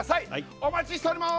お待ちしております！